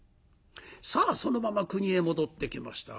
さあそのまま国へ戻ってきました。